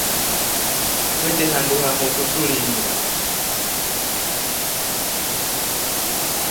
Twete handu hamotu tuliindaa.